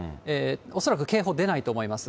恐らく警報、出ないと思います。